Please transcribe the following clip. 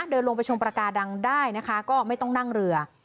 เดินลงไปชมประกาดังได้นะคะก็ไม่ต้องนั่งเรือ